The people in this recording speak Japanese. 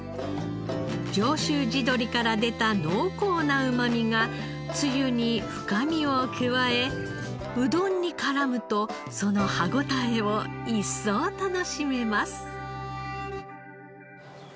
上州地鶏から出た濃厚なうまみがつゆに深みを加えうどんに絡むとその歯応えを一層楽しめます。